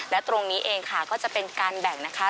และตรงนี้เองค่ะก็จะเป็นการแบ่งนะคะ